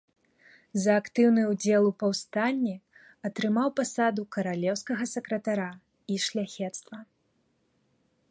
За актыўны ўдзел у паўстанні атрымаў пасаду каралеўскага сакратара і шляхецтва.